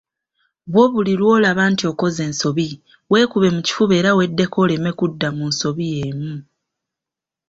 Bwo buli lw'olaba nti okoze ensobi weekube mu kifuba era weddeko oleme kudda mu nsobi yeemu.